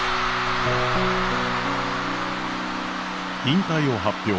引退を発表